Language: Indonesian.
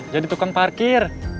jadi tukang parkir